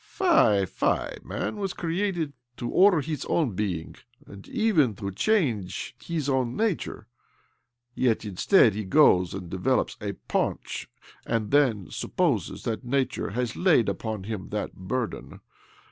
" Fie, fie ! Man was created to order hii own being, and even to change his owr nature ; yet, instead, he goes and develops a paunch, and then supposes that nature has laid upon him that burden.